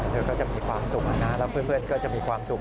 เธอก็จะมีความสุขนะแล้วเพื่อนก็จะมีความสุข